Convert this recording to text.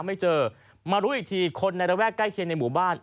ไม่เจอมารู้อีกทีคนในระแวกใกล้เคียงในหมู่บ้าน